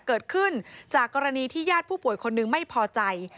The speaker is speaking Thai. เกิดขึ้นจากกรณีที่ญาติผู้ป่วยคนหนึ่งไม่พอใจ